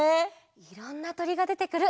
いろんなとりがでてくる